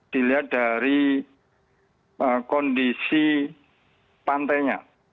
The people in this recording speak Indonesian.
dilihat dari kondisi pantainya